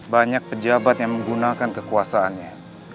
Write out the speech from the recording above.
banyak pejabat yang menggunakan kekuasaannya